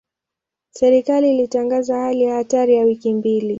Serikali ilitangaza hali ya hatari ya wiki mbili.